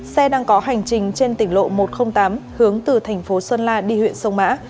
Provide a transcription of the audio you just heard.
xe đang có hành trình trên tỉnh lộ một trăm linh tám hướng từ thành phố sơn la đi huyện sông mã